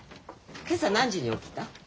今朝何時に起きた？